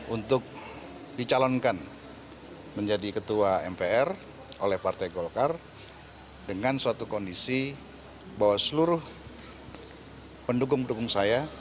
untuk dicalonkan menjadi ketua mpr oleh partai golkar dengan suatu kondisi bahwa seluruh pendukung pendukung saya